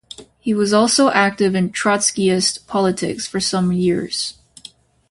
He was also active in Trotskyist politics for some years.